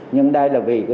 nhưng đây là vì